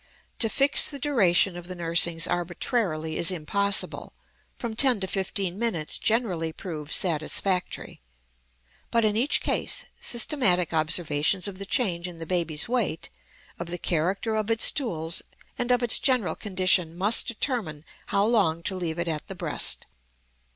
To fix the duration of the nursings arbitrarily is impossible; from ten to fifteen minutes generally proves satisfactory, but in each case systematic observations of the change in the baby's weight, of the character of its stools, and of its general condition must determine how long to leave it at the breast.